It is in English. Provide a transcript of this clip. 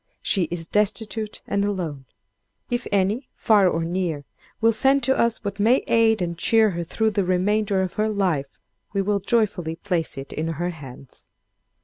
She is destitute and alone. If any, far or near, will send to us what may aid and cheer her through the remainder of her life, we will joyfully place it in her hands.